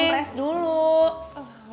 ya udah dikompres dulu